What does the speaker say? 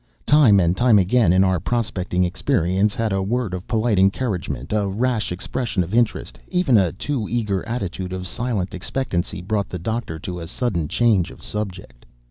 Time and time again, in our prospecting experience, had a word of polite encouragement, a rash expression of interest, even a too eager attitude of silent expectancy, brought the Doctor to a sudden change of subject.